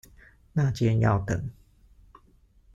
那間要等